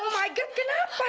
oh my god kenapa